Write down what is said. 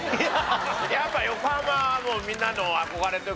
やっぱり横浜はもうみんなの憧れというか